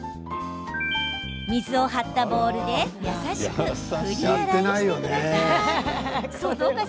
水を張ったボウルで優しく振り洗いしてください。